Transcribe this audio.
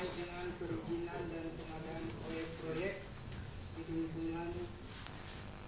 kepada dirjen perhubungan laut